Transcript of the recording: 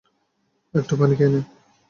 একটু পানি খেয়ে নে।